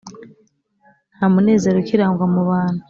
nta munezero ukirangwa mu bantu.